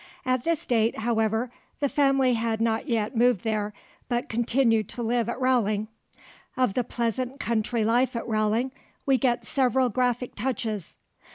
At this date, however, the family had not yet moved there, but continued to live at Rowling. Of the pleasant country life at Rowling we get several graphic touches.